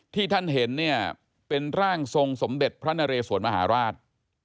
ที่ท่านเห็นเนี่ยเป็นร่างทรงสมเด็จพระนเรสวนมหาราช